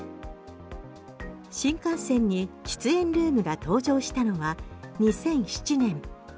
新幹線に喫煙ルームが登場したのは２００７年。